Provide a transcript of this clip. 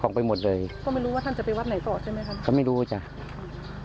ก็ไม่รู้ว่าท่านจะไปวัดไหนต่อทหรือไม่ครับ